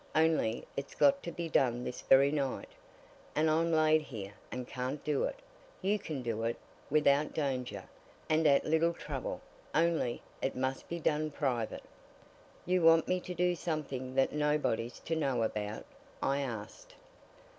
"Only it's got to be done this very night, and I'm laid here, and can't do it. You can do it, without danger, and at little trouble only it must be done private." "You want me to do something that nobody's to know about?" I asked.